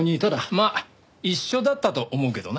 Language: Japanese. まあ一緒だったと思うけどな。